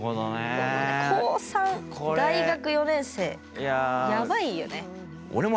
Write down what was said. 高３、大学４年生、やばいよね。